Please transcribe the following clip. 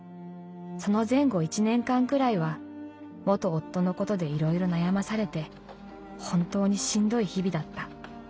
その前後１年間くらいは元夫のことでいろいろ悩まされて本当にしんどい日々だった。